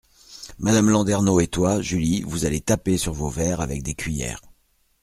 Madame Landernau et toi, Julie, vous allez taper sur vos verres avec des cuillers…